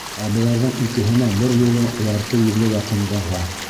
Ә быларҙың икеһенә бер юлы ярты йөҙгә яҡын даға!